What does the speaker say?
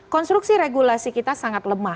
konstruksi regulasi kita sangat lemah